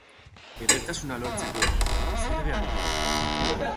Edertasuna lortzeko, zer behar da?